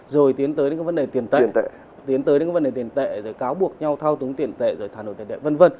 rồi tiến tới những vấn đề tiền tệ cáo buộc nhau thao túng tiền tệ thả nổi tiền tệ v v